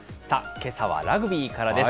けさはラグビーからです。